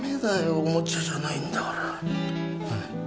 おもちゃじゃないんだから。